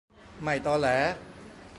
ไม่ตอแหล